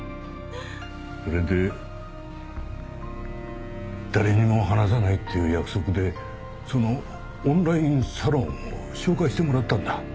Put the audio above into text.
それで誰にも話さないっていう約束でそのオンラインサロンを紹介してもらったんだ。